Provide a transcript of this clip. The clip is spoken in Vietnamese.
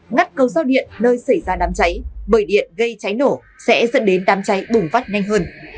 ngắt cầu giao điện nơi xảy ra đám cháy bởi điện gây cháy nổ sẽ dẫn đến đám cháy bùng phát nhanh hơn